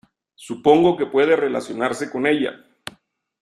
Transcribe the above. Supongo que puede relacionarse con ella.